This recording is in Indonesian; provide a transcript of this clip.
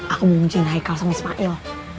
aku mau kuncin hikel sama ismail